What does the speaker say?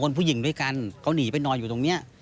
ผู้หญิงด้วยกันเขาหนีไปนอนอยู่ตรงนี้